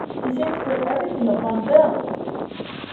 They seem to put everything upon Bill!